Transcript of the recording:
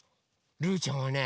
ルーちゃんはね